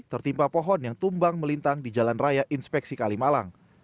tertimpa pohon yang tumbang melintang di jalan raya inspeksi kalimalang